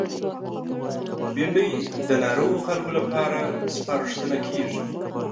بېنډۍ د ناروغو خلکو لپاره سپارښتنه کېږي